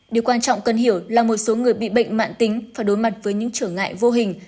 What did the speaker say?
điều quan trọng cần hiểu là một số người bị bệnh mạng tính phải đối mặt với những trở ngại vô hình